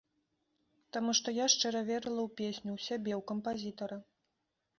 Таму што я шчыра верыла ў песню, у сябе, у кампазітара.